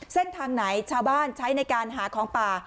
เส้นทางไหนชาวบ้านใช้ในการหาของป่า